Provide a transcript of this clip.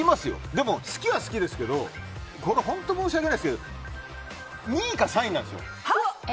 でも好きは好きですけど本当申し訳ないですけど２位か３位なんですよ。